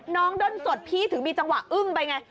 ด้นสดพี่ถึงมีจังหวะอึ้งไปไง